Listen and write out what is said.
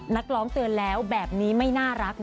นักร้องเตือนแล้วแบบนี้ไม่น่ารัก